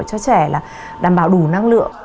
cho trẻ là đảm bảo đủ năng lượng